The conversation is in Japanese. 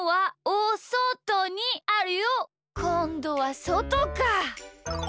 こんどはそとか。